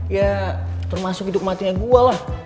ya termasuk hidup matinya gue lah